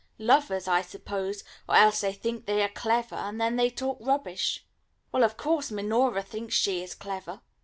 Lovers, I suppose, or else they think they are clever, and then they talk rubbish." "Well, of course, Minora thinks she is clever."